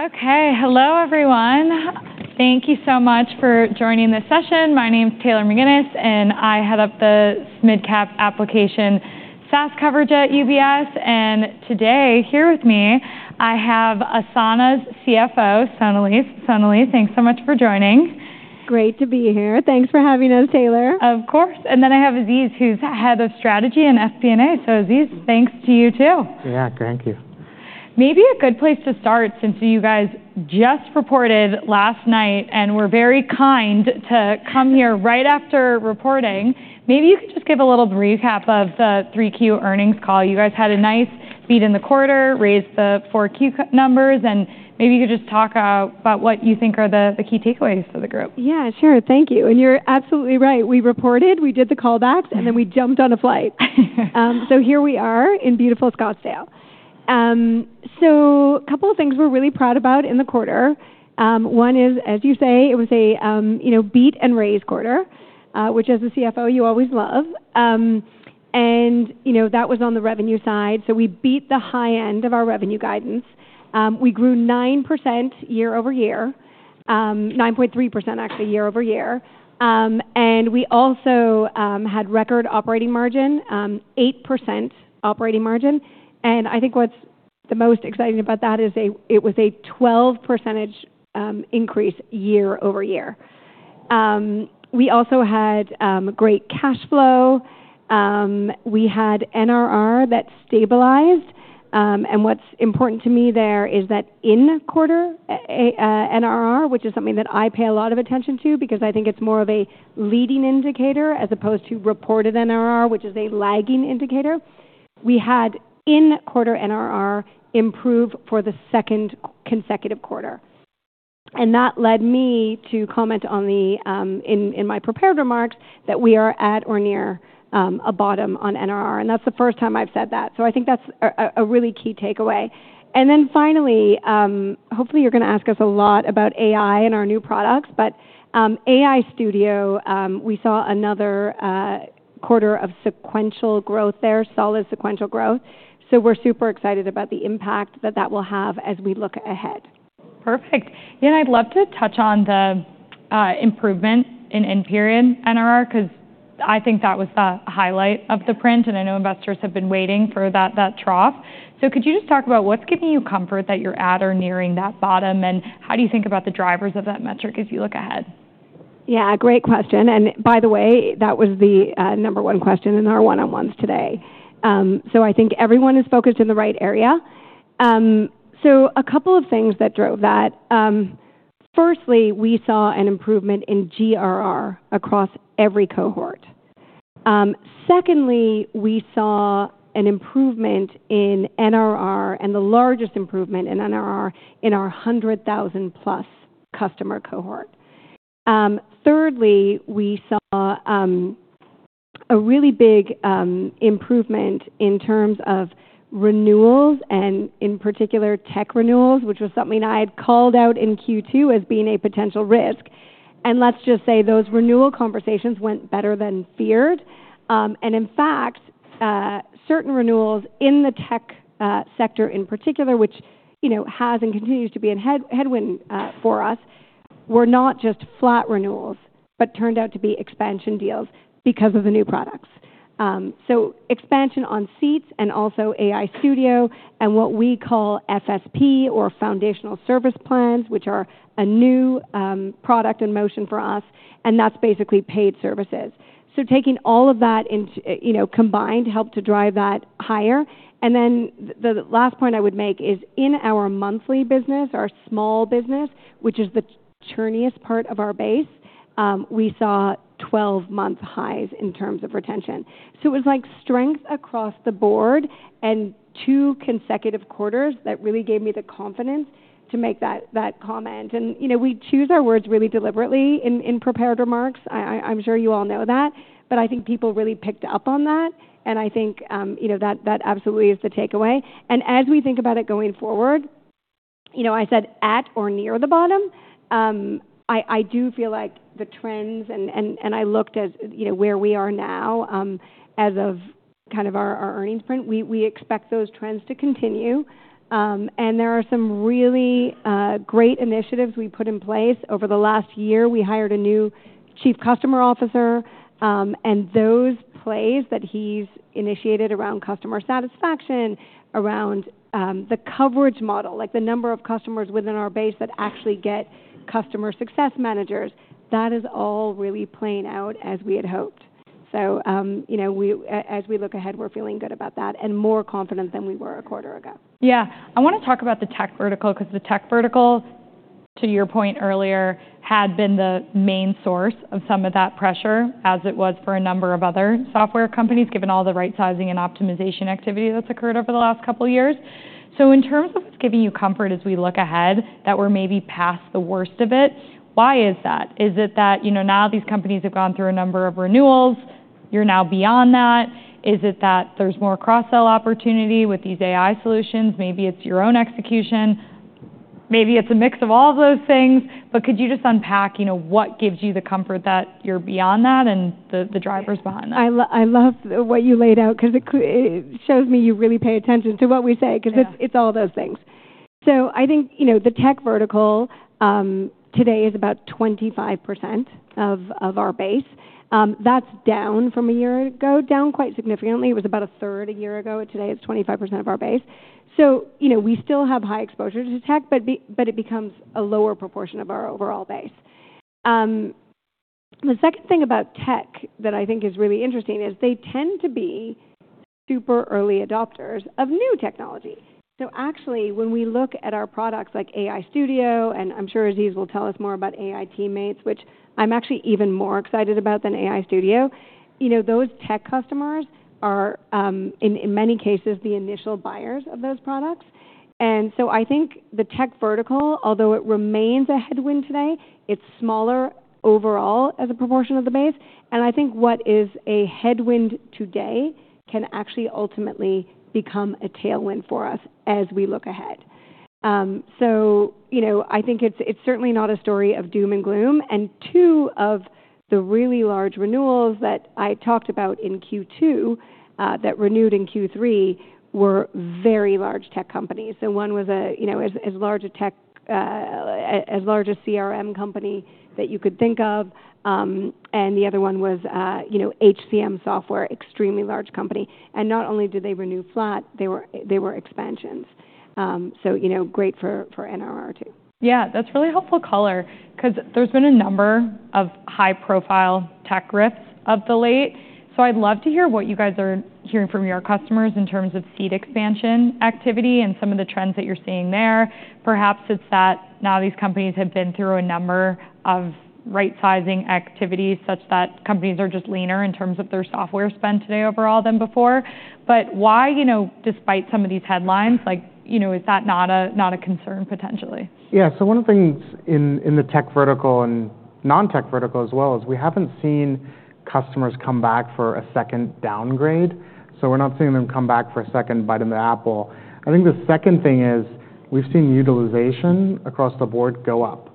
Okay, hello everyone. Thank you so much for joining this session. My name's Taylor McGinnis, and I head up the SMIDCAP application SaaS coverage at UBS. And today, here with me, I have Asana's CFO, Sonalee. Sonalee, thanks so much for joining. Great to be here. Thanks for having us, Taylor. Of course. And then I have Aziz, who's head of strategy in FP&A. So Aziz, thanks to you too. Yeah, thank you. Maybe a good place to start, since you guys just reported last night and were very kind to come here right after reporting. Maybe you could just give a little recap of the Q3 earnings call. You guys had a nice beat in the quarter, raised the Q4 numbers, and maybe you could just talk about what you think are the key takeaways for the group. Yeah, sure. Thank you. And you're absolutely right. We reported, we did the callbacks, and then we jumped on a flight. So here we are in beautiful Scottsdale. So a couple of things we're really proud about in the quarter. One is, as you say, it was a beat and raise quarter, which as a CFO, you always love. And that was on the revenue side. So we beat the high end of our revenue guidance. We grew 9% year-over-year, 9.3% actually year-over-year. And we also had record operating margin, 8% operating margin. And I think what's the most exciting about that is it was a 12% increase year-over-year. We also had great cash flow. We had NRR that stabilized. And what's important to me there is that in quarter NRR, which is something that I pay a lot of attention to because I think it's more of a leading indicator as opposed to reported NRR, which is a lagging indicator, we had in quarter NRR improve for the second consecutive quarter. And that led me to comment on the, in my prepared remarks, that we are at or near a bottom on NRR. And that's the first time I've said that. So I think that's a really key takeaway. And then finally, hopefully you're going to ask us a lot about AI and our new products, but AI Studio, we saw another quarter of sequential growth there, solid sequential growth. So we're super excited about the impact that that will have as we look ahead. Perfect. Yeah, and I'd love to touch on the improvement in end-period NRR because I think that was the highlight of the print, and I know investors have been waiting for that trough. Could you just talk about what's giving you comfort that you're at or nearing that bottom, and how do you think about the drivers of that metric as you look ahead? Yeah, great question, and by the way, that was the number one question in our one-on-ones today, so I think everyone is focused in the right area, so a couple of things that drove that. Firstly, we saw an improvement in GRR across every cohort. Secondly, we saw an improvement in NRR, and the largest improvement in NRR in our 100,000+ customer cohort. Thirdly, we saw a really big improvement in terms of renewals, and in particular tech renewals, which was something I had called out in Q2 as being a potential risk, and let's just say those renewal conversations went better than feared, and in fact, certain renewals in the tech sector in particular, which has and continues to be a headwind for us, were not just flat renewals, but turned out to be expansion deals because of the new products. So expansion on seats and also AI Studio and what we call FSP or Foundational Service Plans, which are a new product in motion for us, and that's basically paid services. So taking all of that combined helped to drive that higher. And then the last point I would make is in our monthly business, our small business, which is the churniest part of our base, we saw 12-month highs in terms of retention. So it was like strength across the board and two consecutive quarters that really gave me the confidence to make that comment. And we choose our words really deliberately in prepared remarks. I'm sure you all know that, but I think people really picked up on that, and I think that absolutely is the takeaway. And as we think about it going forward, I said at or near the bottom. I do feel like the trends, and I looked at where we are now as of kind of our earnings print, we expect those trends to continue. And there are some really great initiatives we put in place. Over the last year, we hired a new Chief Customer Officer, and those plays that he's initiated around customer satisfaction, around the coverage model, like the number of customers within our base that actually get customer success managers, that is all really playing out as we had hoped. So as we look ahead, we're feeling good about that and more confident than we were a quarter ago. Yeah. I want to talk about the tech vertical because the tech vertical, to your point earlier, had been the main source of some of that pressure as it was for a number of other software companies, given all the right-sizing and optimization activity that's occurred over the last couple of years. So in terms of what's giving you comfort as we look ahead that we're maybe past the worst of it, why is that? Is it that now these companies have gone through a number of renewals, you're now beyond that? Is it that there's more cross-sell opportunity with these AI solutions? Maybe it's your own execution. Maybe it's a mix of all of those things. But could you just unpack what gives you the comfort that you're beyond that and the drivers behind that? I love what you laid out because it shows me you really pay attention to what we say because it's all those things. So I think the tech vertical today is about 25% of our base. That's down from a year ago, down quite significantly. It was about a third a year ago. Today it's 25% of our base. So we still have high exposure to tech, but it becomes a lower proportion of our overall base. The second thing about tech that I think is really interesting is they tend to be super early adopters of new technology. So actually, when we look at our products like AI Studio, and I'm sure Aziz will tell us more about AI Teammates, which I'm actually even more excited about than AI Studio, those tech customers are in many cases the initial buyers of those products. And so I think the tech vertical, although it remains a headwind today, it's smaller overall as a proportion of the base. And I think what is a headwind today can actually ultimately become a tailwind for us as we look ahead. So I think it's certainly not a story of doom and gloom. And two of the really large renewals that I talked about in Q2 that renewed in Q3 were very large tech companies. So one was the largest CRM company that you could think of, and the other one was the HCM software extremely large company. And not only did they renew flat, they were expansions. So great for NRR too. Yeah, that's really helpful color because there's been a number of high-profile tech rifts of late. So I'd love to hear what you guys are hearing from your customers in terms of SaaS expansion activity and some of the trends that you're seeing there. Perhaps it's that now these companies have been through a number of right-sizing activities such that companies are just leaner in terms of their software spend today overall than before. But why, despite some of these headlines, is that not a concern potentially? Yeah, so one of the things in the tech vertical and non-tech vertical as well is we haven't seen customers come back for a second downgrade. So we're not seeing them come back for a second bite of the apple. I think the second thing is we've seen utilization across the board go up.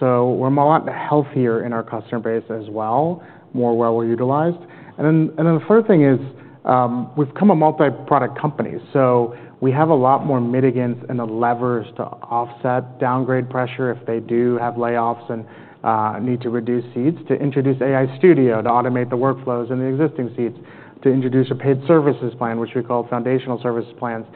So we're a lot healthier in our customer base as well, more well utilized. And then the third thing is we've become a multi-product company. So we have a lot more mitigants and the levers to offset downgrade pressure if they do have layoffs and need to reduce seats to introduce AI Studio to automate the workflows and the existing seats to introduce a paid services plan, which we call Foundational Service Plans,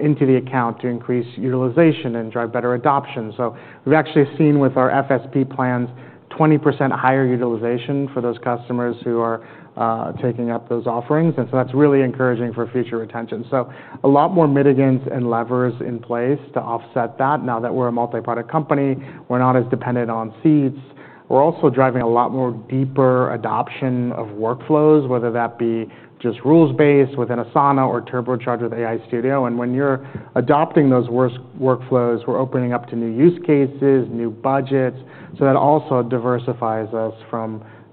into the account to increase utilization and drive better adoption. So we've actually seen with our FSP plans 20% higher utilization for those customers who are taking up those offerings. And so that's really encouraging for future retention. So a lot more mitigants and levers in place to offset that now that we're a multi-product company. We're not as dependent on seats. We're also driving a lot more deeper adoption of workflows, whether that be just rules-based within Asana or turbocharge with AI Studio. And when you're adopting those workflows, we're opening up to new use cases, new budgets. So that also diversifies us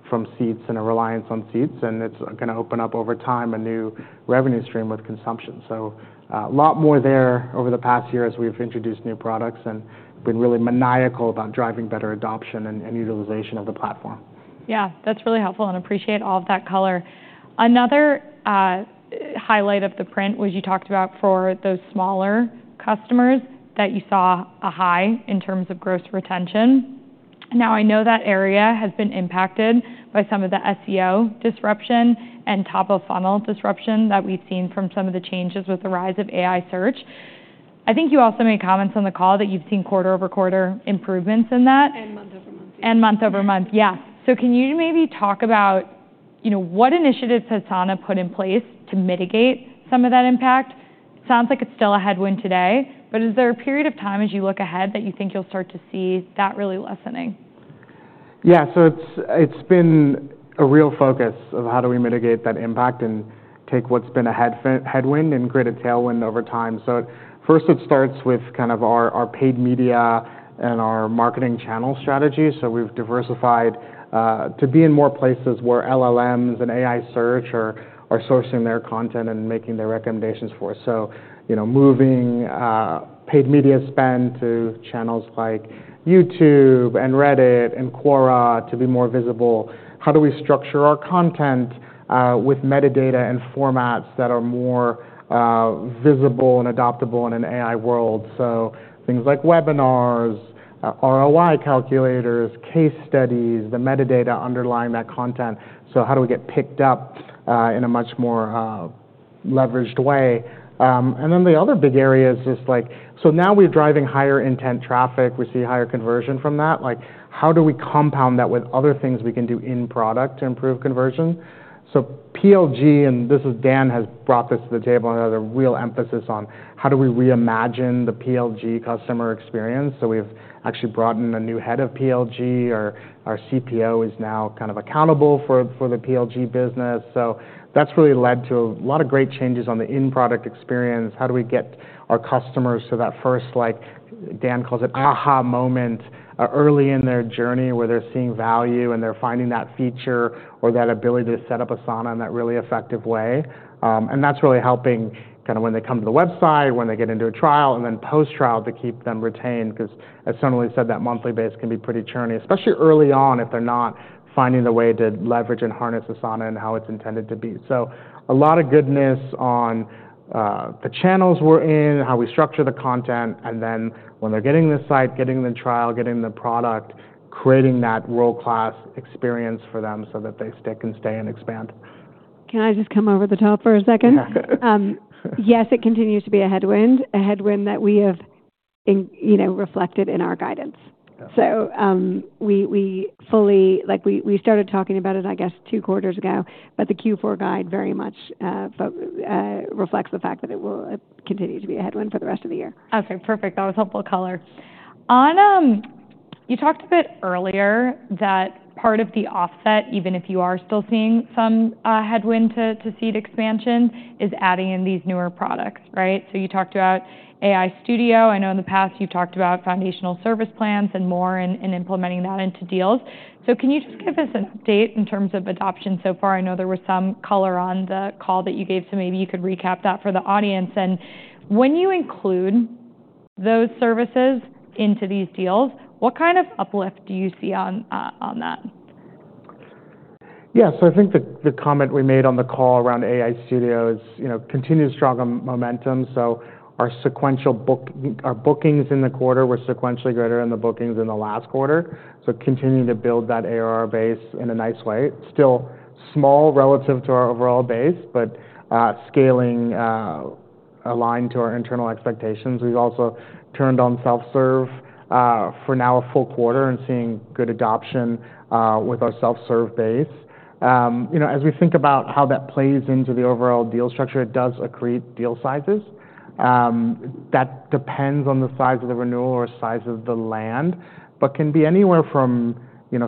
from seats and a reliance on seats. And it's going to open up over time a new revenue stream with consumption. So a lot more there over the past year as we've introduced new products and been really maniacal about driving better adoption and utilization of the platform. Yeah, that's really helpful and appreciate all of that color. Another highlight of the print was you talked about for those smaller customers that you saw a high in terms of gross retention. Now, I know that area has been impacted by some of the SEO disruption and top-of-funnel disruption that we've seen from some of the changes with the rise of AI search. I think you also made comments on the call that you've seen quarter-over-quarter improvements in that. And month-over-month. And month-over-month, yes. So can you maybe talk about what initiatives has Asana put in place to mitigate some of that impact? It sounds like it's still a headwind today, but is there a period of time as you look ahead that you think you'll start to see that really lessening? Yeah, so it's been a real focus of how do we mitigate that impact and take what's been a headwind and create a tailwind over time. So first, it starts with kind of our paid media and our marketing channel strategy. So we've diversified to be in more places where LLMs and AI search are sourcing their content and making their recommendations for us. So moving paid media spend to channels like YouTube and Reddit and Quora to be more visible. How do we structure our content with metadata and formats that are more visible and adoptable in an AI world? So things like webinars, ROI calculators, case studies, the metadata underlying that content. So how do we get picked up in a much more leveraged way? And then the other big area is just like, so now we're driving higher intent traffic. We see higher conversion from that. How do we compound that with other things we can do in product to improve conversion? So PLG, and this is Dan has brought this to the table, another real emphasis on how do we reimagine the PLG customer experience. So we've actually brought in a new head of PLG. Our CPO is now kind of accountable for the PLG business. So that's really led to a lot of great changes on the in-product experience. How do we get our customers to that first, like Dan calls it, aha moment early in their journey where they're seeing value and they're finding that feature or that ability to set up Asana in that really effective way? That's really helping kind of when they come to the website, when they get into a trial, and then post-trial to keep them retained because, as Sonalee said, that monthly base can be pretty churny, especially early on if they're not finding the way to leverage and harness Asana and how it's intended to be. A lot of goodness on the channels we're in, how we structure the content, and then when they're getting the site, getting the trial, getting the product, creating that world-class experience for them so that they stick and stay and expand. Can I just come over the top for a second? Yeah. Yes, it continues to be a headwind, a headwind that we have reflected in our guidance. So we started talking about it, I guess, two quarters ago, but the Q4 guide very much reflects the fact that it will continue to be a headwind for the rest of the year. Okay, perfect. That was helpful color. You talked a bit earlier that part of the offset, even if you are still seeing some headwind to seed expansion, is adding in these newer products, right? So you talked about AI Studio. I know in the past you've talked about Foundational Service Plans and more in implementing that into deals. So can you just give us an update in terms of adoption so far? I know there was some color on the call that you gave, so maybe you could recap that for the audience. And when you include those services into these deals, what kind of uplift do you see on that? Yeah, so I think the comment we made on the call around AI Studio is continued strong momentum. So our bookings in the quarter were sequentially greater than the bookings in the last quarter. So continuing to build that ARR base in a nice way. Still small relative to our overall base, but scaling aligned to our internal expectations. We've also turned on self-serve for now a full quarter and seeing good adoption with our self-serve base. As we think about how that plays into the overall deal structure, it does accrete deal sizes. That depends on the size of the renewal or size of the land, but can be anywhere from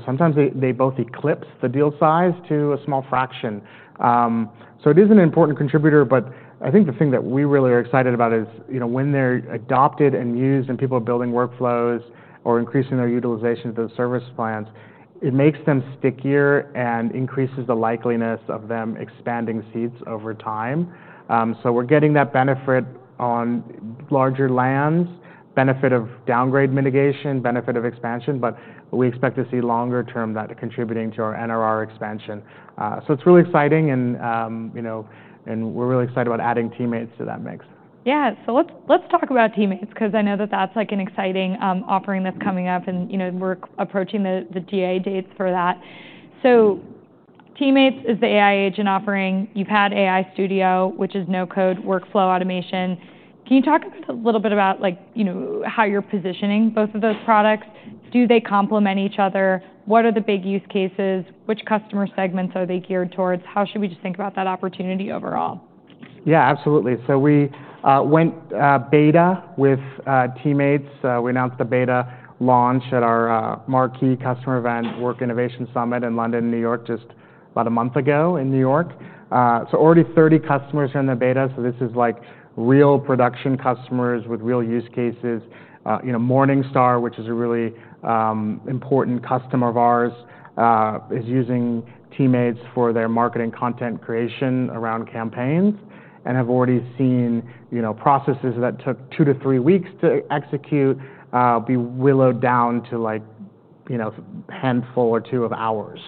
sometimes they both eclipse the deal size to a small fraction. So it is an important contributor, but I think the thing that we really are excited about is when they're adopted and used and people are building workflows or increasing their utilization of those service plans. It makes them stickier and increases the likelihood of them expanding seats over time. So we're getting that benefit on larger lands, benefit of downgrade mitigation, benefit of expansion, but we expect to see longer term that contributing to our NRR expansion. So it's really exciting, and we're really excited about adding Teammates to that mix. Yeah, so let's talk about Teammates because I know that that's like an exciting offering that's coming up, and we're approaching the GA dates for that. So Teammates is the AI agent offering. You've had AI Studio, which is no-code workflow automation. Can you talk a little bit about how you're positioning both of those products? Do they complement each other? What are the big use cases? Which customer segments are they geared towards? How should we just think about that opportunity overall? Yeah, absolutely. So we went beta with Teammates. We announced the beta launch at our marquee customer event, Work Innovation Summit in London, New York, just about a month ago in New York. So already 30 customers are in the beta. So this is like real production customers with real use cases. Morningstar, which is a really important customer of ours, is using Teammates for their marketing content creation around campaigns and have already seen processes that took two to three weeks to execute be boiled down to a handful or two of hours.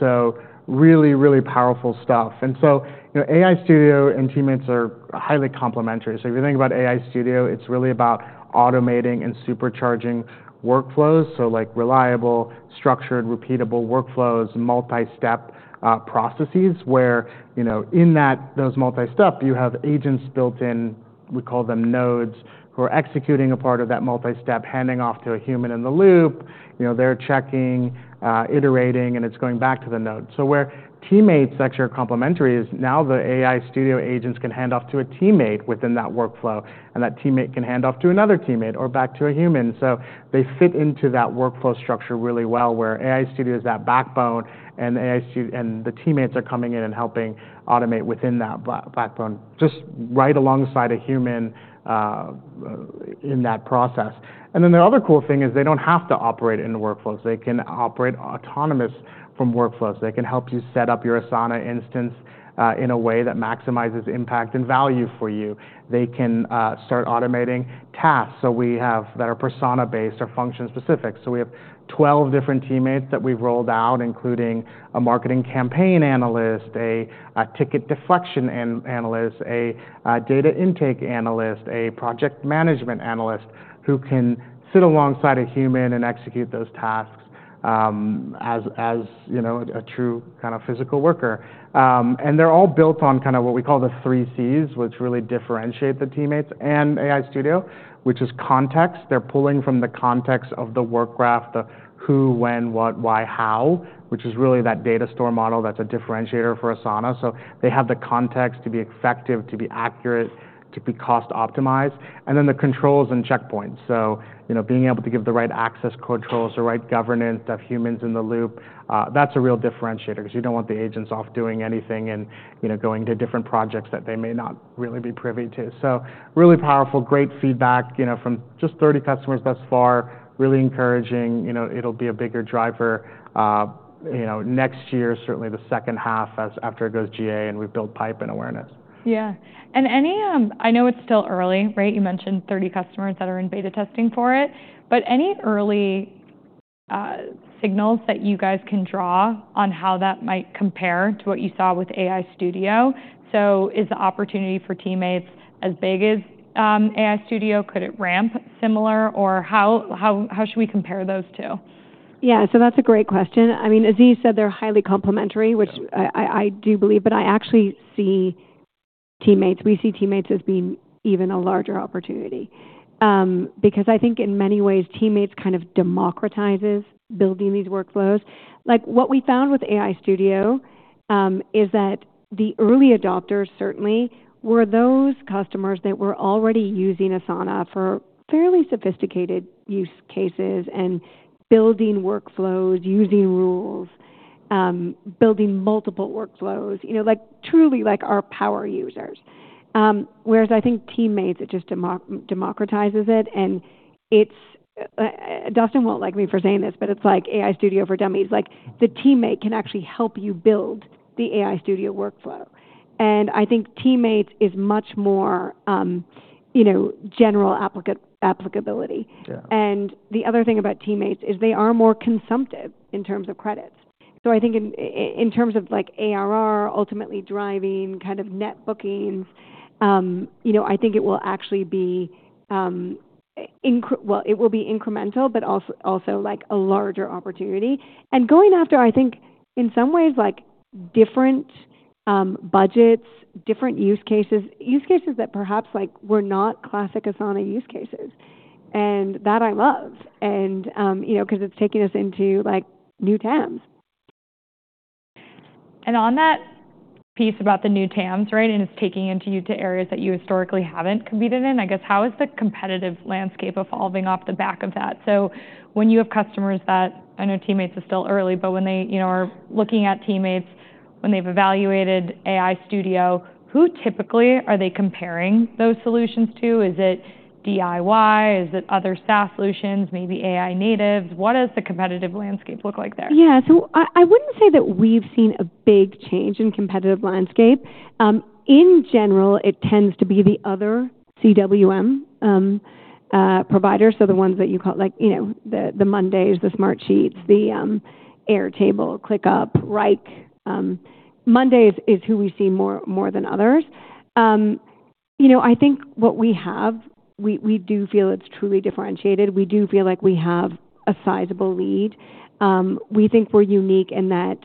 So really, really powerful stuff, and so AI Studio and Teammates are highly complementary. So if you think about AI Studio, it's really about automating and supercharging workflows. Reliable, structured, repeatable workflows, multi-step processes where in those multi-step, you have agents built in, we call them nodes, who are executing a part of that multi-step, handing off to a human in the loop. They're checking, iterating, and it's going back to the node. Where Teammates actually are complementary is now the AI Studio agents can hand off to a teammate within that workflow, and that teammate can hand off to another teammate or back to a human. They fit into that workflow structure really well where AI Studio is that backbone, and the teammates are coming in and helping automate within that backbone just right alongside a human in that process. Then the other cool thing is they don't have to operate in workflows. They can operate autonomous from workflows. They can help you set up your Asana instance in a way that maximizes impact and value for you. They can start automating tasks that are persona-based or function-specific. So we have 12 different teammates that we've rolled out, including a marketing campaign analyst, a ticket deflection analyst, a data intake analyst, a project management analyst who can sit alongside a human and execute those tasks as a true kind of digital worker. And they're all built on kind of what we call the three C's, which really differentiate the teammates and AI Studio, which is context. They're pulling from the context of the Work Graph, the who, when, what, why, how, which is really that data store model that's a differentiator for Asana. So they have the context to be effective, to be accurate, to be cost-optimized. And then the controls and checkpoints. So being able to give the right access controls, the right governance of humans in the loop, that's a real differentiator because you don't want the agents off doing anything and going to different projects that they may not really be privy to. So really powerful, great feedback from just 30 customers thus far. Really encouraging. It'll be a bigger driver next year, certainly the second half after it goes GA and we build pipe and awareness. Yeah. And I know it's still early, right? You mentioned 30 customers that are in beta testing for it. But any early signals that you guys can draw on how that might compare to what you saw with AI Studio? So is the opportunity for Teammates as big as AI Studio? Could it ramp similar? Or how should we compare those two? Yeah, so that's a great question. I mean, as you said, they're highly complementary, which I do believe, but I actually see Teammates, we see Teammates as being even a larger opportunity because I think in many ways, Teammates kind of democratizes building these workflows. What we found with AI Studio is that the early adopters certainly were those customers that were already using Asana for fairly sophisticated use cases and building workflows, using rules, building multiple workflows, truly like our power users. Whereas I think Teammates, it just democratizes it. And Dustin won't like me for saying this, but it's like AI Studio for dummies. The Teammate can actually help you build the AI Studio workflow. And I think Teammates is much more general applicability. And the other thing about Teammates is they are more consumptive in terms of credits. So I think in terms of ARR ultimately driving kind of net bookings, I think it will actually be, well, it will be incremental, but also a larger opportunity. And going after, I think in some ways, different budgets, different use cases, use cases that perhaps were not classic Asana use cases. And that I love because it's taking us into new TAMs. On that piece about the new TAMs, right, and it's taking you into areas that you historically haven't competed in, I guess. How is the competitive landscape evolving off the back of that? When you have customers that I know Teammates is still early, but when they are looking at Teammates, when they've evaluated AI Studio, who typically are they comparing those solutions to? Is it DIY? Is it other SaaS solutions, maybe AI natives? What does the competitive landscape look like there? Yeah, so I wouldn't say that we've seen a big change in competitive landscape. In general, it tends to be the other CWM providers, so the ones that you call the Mondays, the Smartsheets, the Airtable, ClickUp, Wrike. Mondays is who we see more than others. I think what we have, we do feel it's truly differentiated. We do feel like we have a sizable lead. We think we're unique in that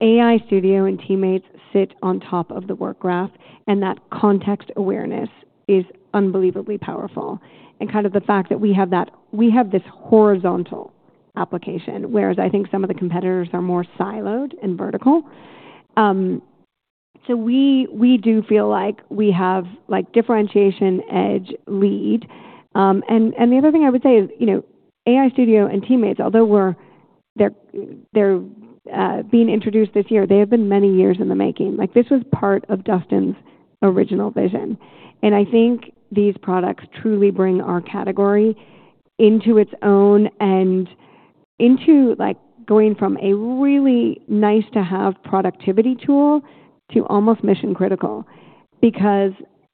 AI Studio and Teammates sit on top of the Work Graph, and that context awareness is unbelievably powerful. And kind of the fact that we have that, we have this horizontal application, whereas I think some of the competitors are more siloed and vertical. So we do feel like we have differentiation, edge, lead. The other thing I would say is AI Studio and Teammates, although they're being introduced this year, they have been many years in the making. This was part of Dustin's original vision. I think these products truly bring our category into its own and into going from a really nice-to-have productivity tool to almost mission-critical because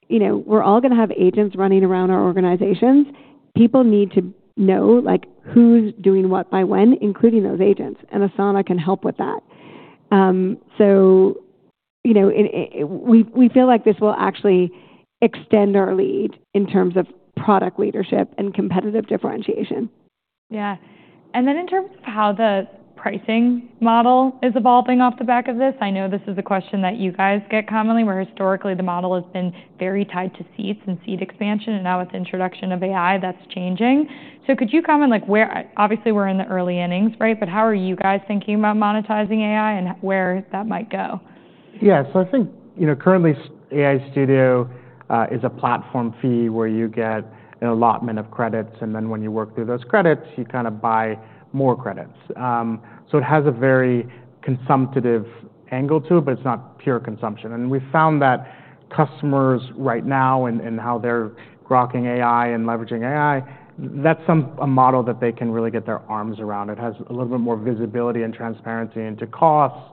we're all going to have agents running around our organizations. People need to know who's doing what by when, including those agents, and Asana can help with that. We feel like this will actually extend our lead in terms of product leadership and competitive differentiation. Yeah. And then in terms of how the pricing model is evolving off the back of this, I know this is a question that you guys get commonly, where historically the model has been very tied to seats and seat expansion, and now with the introduction of AI, that's changing. So could you comment, obviously we're in the early innings, right? But how are you guys thinking about monetizing AI and where that might go? Yeah, so I think currently AI Studio is a platform fee where you get an allotment of credits, and then when you work through those credits, you kind of buy more credits. So it has a very consumptive angle to it, but it's not pure consumption. And we found that customers right now and how they're grokking AI and leveraging AI, that's a model that they can really get their arms around. It has a little bit more visibility and transparency into costs,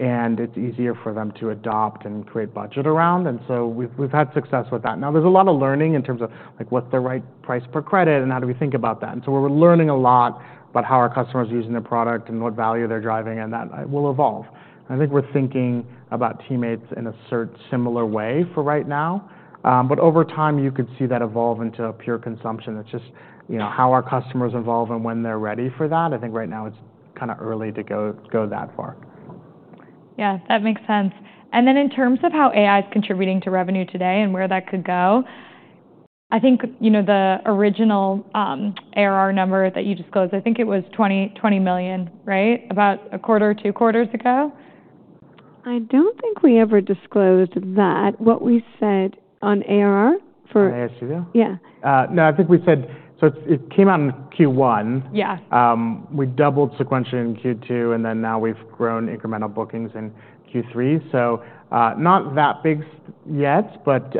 and it's easier for them to adopt and create budget around. And so we've had success with that. Now, there's a lot of learning in terms of what's the right price per credit and how do we think about that. And so we're learning a lot about how our customers are using the product and what value they're driving, and that will evolve. I think we're thinking about teammates in a similar way for right now, but over time, you could see that evolve into pure consumption. It's just how our customers evolve and when they're ready for that. I think right now it's kind of early to go that far. Yeah, that makes sense. And then in terms of how AI is contributing to revenue today and where that could go, I think the original ARR number that you disclosed, I think it was $20 million, right? About a quarter or two quarters ago? I don't think we ever disclosed that. What we said on ARR for. On AI Studio? Yeah. No, I think we said, so it came out in Q1. We doubled sequentially in Q2, and then now we've grown incremental bookings in Q3. So not that big yet, but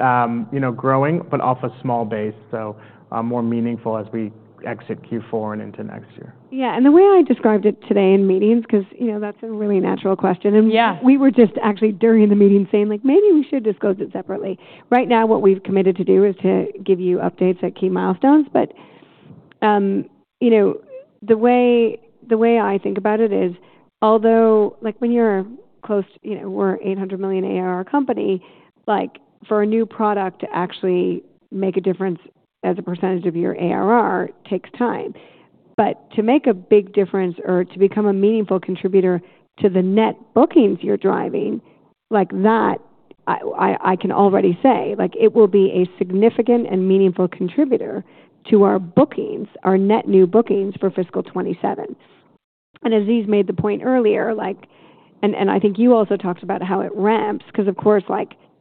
growing, but off a small base, so more meaningful as we exit Q4 and into next year. Yeah, and the way I described it today in meetings, because that's a really natural question, and we were just actually during the meeting saying maybe we should disclose it separately. Right now, what we've committed to do is to give you updates at key milestones. But the way I think about it is, although when you're close, we're an 800 million ARR company. For a new product to actually make a difference as a percentage of your ARR takes time. But to make a big difference or to become a meaningful contributor to the net bookings you're driving, that I can already say it will be a significant and meaningful contributor to our bookings, our net new bookings for fiscal 2027. As you made the point earlier, and I think you also talked about how it ramps because, of course,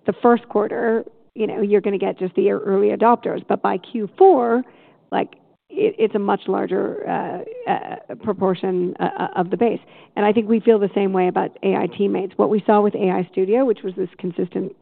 the first quarter, you're going to get just the early adopters, but by Q4, it's a much larger proportion of the base. I think we feel the same way about AI Teammates. What we saw with AI Studio, which was this consistent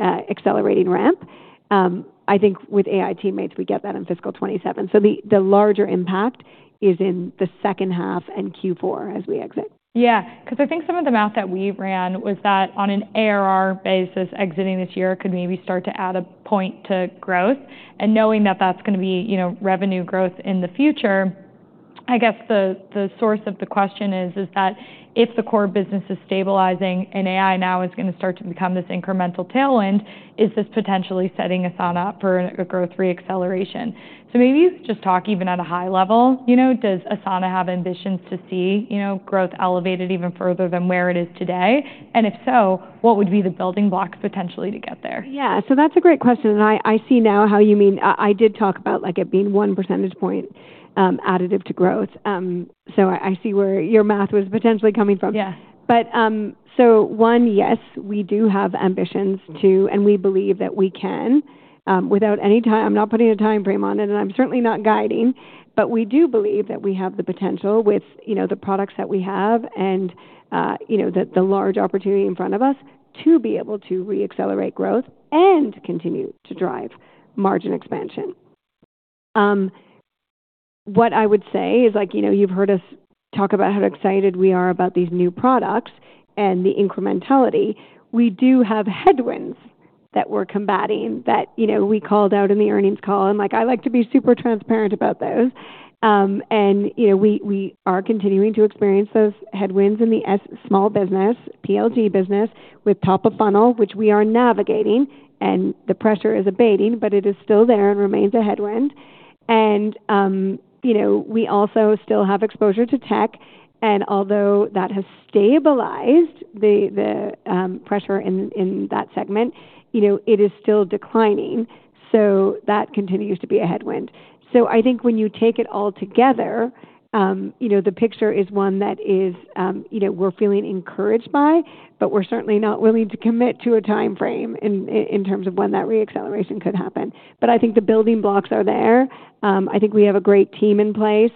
accelerating ramp, I think with AI Teammates, we get that in fiscal 2027. The larger impact is in the second half and Q4 as we exit. Yeah, because I think some of the math that we ran was that on an ARR basis, exiting this year, it could maybe start to add a point to growth. And knowing that that's going to be revenue growth in the future, I guess the source of the question is that if the core business is stabilizing and AI now is going to start to become this incremental tailwind, is this potentially setting Asana up for a growth re-acceleration? So maybe you could just talk even at a high level. Does Asana have ambitions to see growth elevated even further than where it is today? And if so, what would be the building blocks potentially to get there? Yeah, so that's a great question, and I see now how you mean I did talk about it being one percentage point additive to growth, so I see where your math was potentially coming from, but so one, yes, we do have ambitions to, and we believe that we can without any time. I'm not putting a time frame on it, and I'm certainly not guiding, but we do believe that we have the potential with the products that we have and the large opportunity in front of us to be able to re-accelerate growth and continue to drive margin expansion. What I would say is you've heard us talk about how excited we are about these new products and the incrementality. We do have headwinds that we're combating that we called out in the earnings call, and I like to be super transparent about those. And we are continuing to experience those headwinds in the small business, PLG business, with top of funnel, which we are navigating, and the pressure is abating, but it is still there and remains a headwind. And we also still have exposure to tech. And although that has stabilized the pressure in that segment, it is still declining. So that continues to be a headwind. So I think when you take it all together, the picture is one that we're feeling encouraged by, but we're certainly not willing to commit to a time frame in terms of when that re-acceleration could happen. But I think the building blocks are there. I think we have a great team in place.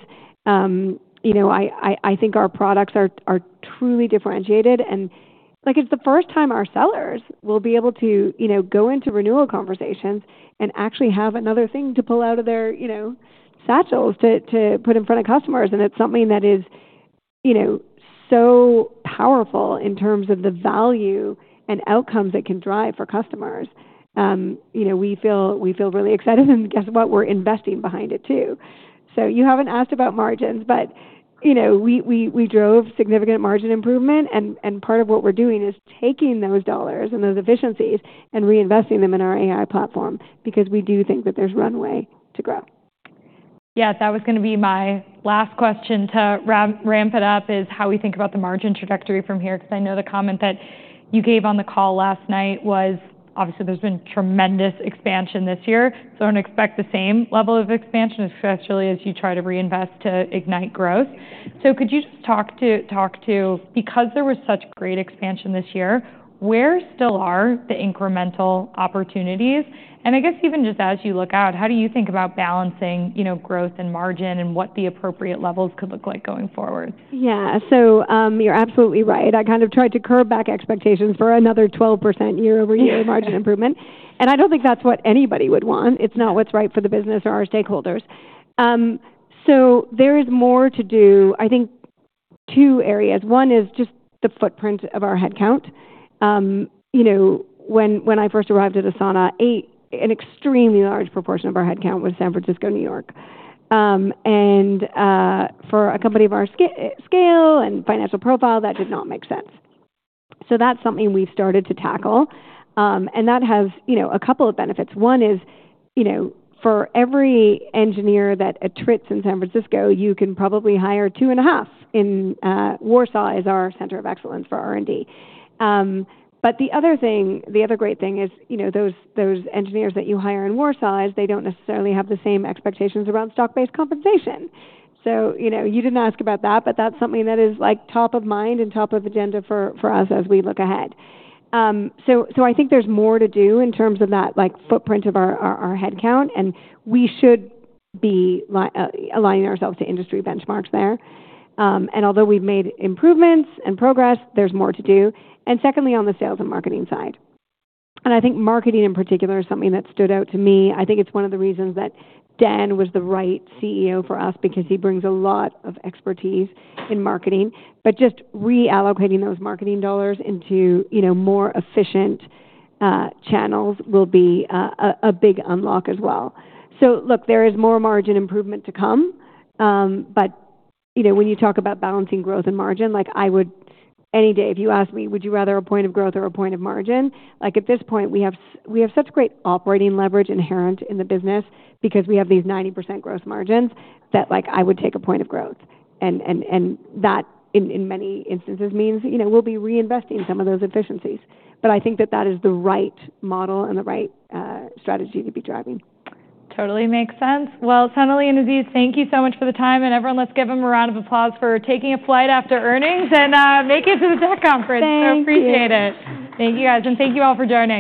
I think our products are truly differentiated. And it's the first time our sellers will be able to go into renewal conversations and actually have another thing to pull out of their satchels to put in front of customers. And it's something that is so powerful in terms of the value and outcomes it can drive for customers. We feel really excited, and guess what? We're investing behind it too. So you haven't asked about margins, but we drove significant margin improvement, and part of what we're doing is taking those dollars and those efficiencies and reinvesting them in our AI platform because we do think that there's runway to grow. Yeah, that was going to be my last question to ramp it up is how we think about the margin trajectory from here because I know the comment that you gave on the call last night was, obviously, there's been tremendous expansion this year. So I don't expect the same level of expansion, especially as you try to reinvest to ignite growth. So could you just talk to, because there was such great expansion this year, where still are the incremental opportunities? And I guess even just as you look out, how do you think about balancing growth and margin and what the appropriate levels could look like going forward? Yeah, so you're absolutely right. I kind of tried to curb back expectations for another 12% year-over-year margin improvement, and I don't think that's what anybody would want. It's not what's right for the business or our stakeholders, so there is more to do. I think two areas. One is just the footprint of our headcount. When I first arrived at Asana, an extremely large proportion of our headcount was San Francisco, New York, and for a company of our scale and financial profile, that did not make sense. So that's something we've started to tackle, and that has a couple of benefits. One is for every engineer that attrits in San Francisco, you can probably hire two and a half in Warsaw is our center of excellence for R&D. But the other great thing is those engineers that you hire in Warsaw, they don't necessarily have the same expectations around stock-based compensation. So you didn't ask about that, but that's something that is top of mind and top of agenda for us as we look ahead. So I think there's more to do in terms of that footprint of our headcount, and we should be aligning ourselves to industry benchmarks there. And although we've made improvements and progress, there's more to do. And secondly, on the sales and marketing side. And I think marketing in particular is something that stood out to me. I think it's one of the reasons that Dan was the right CEO for us because he brings a lot of expertise in marketing. But just reallocating those marketing dollars into more efficient channels will be a big unlock as well. So look, there is more margin improvement to come. But when you talk about balancing growth and margin, I would, any day, if you asked me, would you rather a point of growth or a point of margin? At this point, we have such great operating leverage inherent in the business because we have these 90% growth margins that I would take a point of growth. And that, in many instances, means we'll be reinvesting some of those efficiencies. But I think that is the right model and the right strategy to be driving. Totally makes sense. Well, Sonalee and Aziz, thank you so much for the time. And everyone, let's give them a round of applause for taking a flight after earnings and making it to the tech conference. I appreciate it. Thank you. Thank you guys, and thank you all for joining.